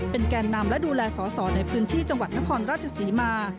เป็นแก่นนำและดูแลสศในพื้นที่จังหวัดนครราชสีมา